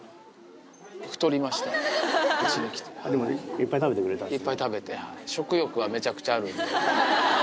いっぱい食べてくれたんですね。